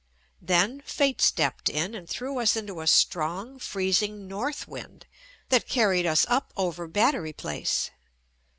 Then fate stepped in and threw us into a strong freezing north wind that carried us up over Battery Place.